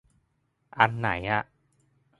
อันไหนอ่ะ